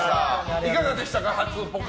いかがでしたか？